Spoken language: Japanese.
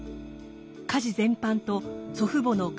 家事全般と祖父母の介護見